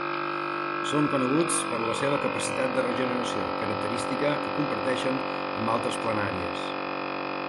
Són coneguts per la seva capacitat de regeneració, característica que comparteixen amb altres planàries.